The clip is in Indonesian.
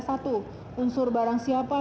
satu unsur barang siapa